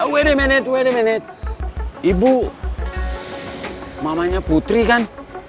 wait a minute wait a minute ibu mamanya putri kan